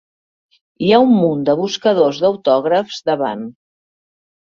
Hi ha un munt de buscadors d'autògrafs davant.